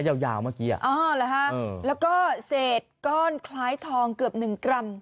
อ่ายาวเมื่อกี้อ้อเหรอฮะแล้วก็เศษก้อนคล้ายทองเกือบ๑กรัม